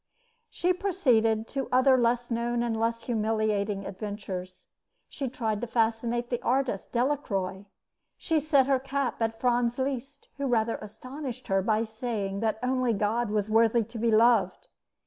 She proceeded to other less known and less humiliating adventures. She tried to fascinate the artist Delacroix. She set her cap at Franz Liszt, who rather astonished her by saying that only God was worthy to be loved.